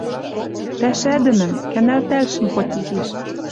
Пӓшӓдӹмӹм, кӓнӓлтӓлшӹм хоть изиш.